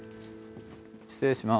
失礼します。